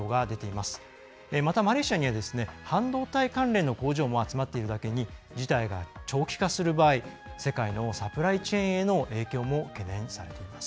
また、マレーシアには半導体関連の工場も集まっているだけに事態が長期化する場合世界のサプライチェーンへの影響も懸念されています。